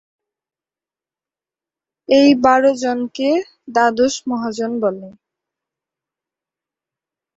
এই বারো জনকে দ্বাদশ মহাজন বলে।